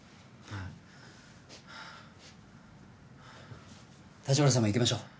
立花さんも行きましょう。